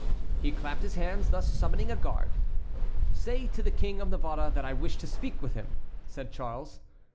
He clapped his hands, thus summoning a guard. "Say to the King of Navarre that I wish to speak with him," said Charles.